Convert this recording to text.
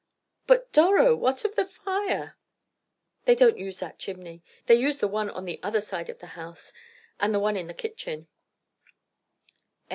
"But, Doro, what of the fire?" "They don't use that chimney. They use the one on the other side of the house, and the one in the kitchen."